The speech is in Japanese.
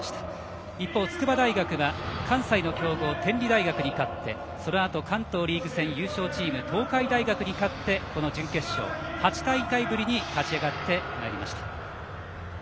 一方、筑波大学は関西の強豪の天理大学に勝ってそのあと関東リーグ戦優勝チーム東海大学に勝って、この準決勝。８大会ぶりに勝ち上がってまいりました。